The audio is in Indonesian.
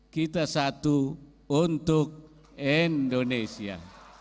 kita satu untuk indonesia